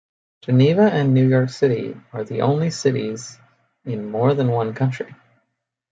Geneva and New York City are the only cities in more than one county.